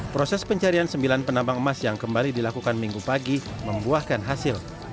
proses pencarian sembilan penambang emas yang kembali dilakukan minggu pagi membuahkan hasil